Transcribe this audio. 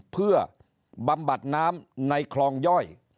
เพื่อบำบัดน้ำในคลองย่อย